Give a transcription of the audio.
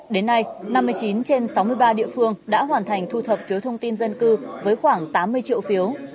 đến nay năm mươi chín trên sáu mươi ba địa phương đã hoàn thành thu thập phiếu thông tin dân cư với khoảng tám mươi triệu phiếu